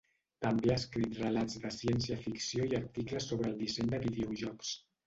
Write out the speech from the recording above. També ha escrit relats de ciència-ficció i articles sobre el disseny de videojocs.